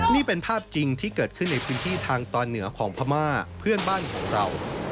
นี่เป็นภาพจริงที่เกิดขึ้นในพื้นที่ทางตอนเหนือของพม่าเพื่อนบ้านของเรา